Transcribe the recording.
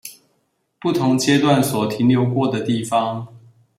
不同階段所停留過的地方